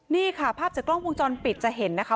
นี่ค่ะภาพจากกล้องวงจรปิดจะเห็นนะคะ